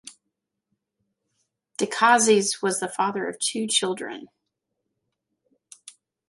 Decazes was the father of two children.